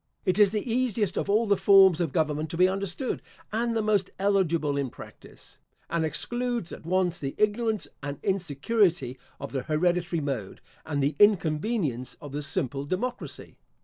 It is the easiest of all the forms of government to be understood and the most eligible in practice; and excludes at once the ignorance and insecurity of the hereditary mode, and the inconvenience of the simple democracy.